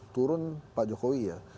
turun pak jokowi ya